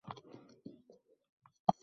…Manzilga yetganda to’rtinchi hammol